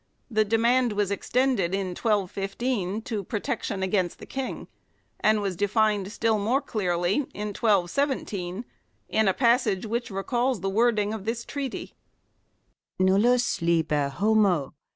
The de mand was extended in 1215, to protection against the King, and was defined still more clearly in 1217, in a passage which recalls the wording of this treaty :" Nullus liber homo